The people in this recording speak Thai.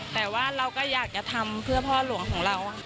แต่ว่าเราก็อยากจะทำเพื่อพ่อหลวงของเรา